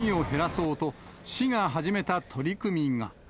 こうしたごみを減らそうと、市が始めた取り組みが。